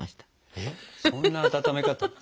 えっそんな温め方。